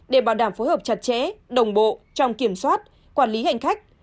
để bảo đảm phối hợp chặt chẽ đồng bộ trong kiểm soát quản lý hành khách